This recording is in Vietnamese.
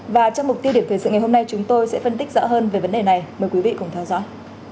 và trong mục tiêu điểm thời sự ngày hôm nay chúng tôi sẽ phân tích rõ hơn về vấn đề này mời quý vị cùng theo dõi